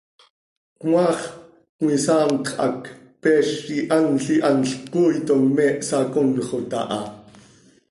Cmaax cömisaanpx hac, peez ihanl ihanl cooitom me hsaconxot aha.